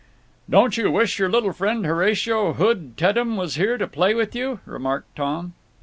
"Don't you wish your little friend Horatio Hood Teddem was here to play with you?" remarked Tom.